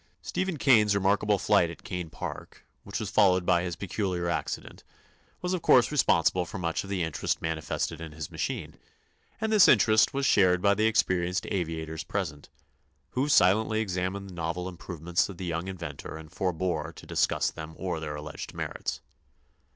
Stephen Kane's remarkable flight at Kane Park, which was followed by his peculiar accident, was of course responsible for much of the interest manifested in his machine; and this interest was shared by the experienced aviators present, who silently examined the novel improvements of the young inventor and forbore to discuss them or their alleged merits.